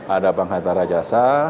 ada bang hatta rajasa